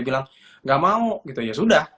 bilang gak mau ya sudah